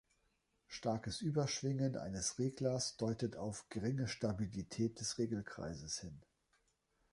Starkes Überschwingen eines Reglers deutet auf geringe Stabilität des Regelkreises hin.